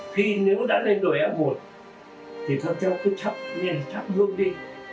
khi nếu đã lên đội a một thì các cháu cứ thắt nghe thắt hương đi